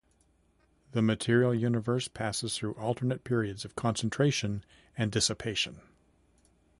The material universe passes through alternate periods of concentration and dissipation.